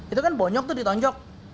itu kan bonyok tuh ditonjok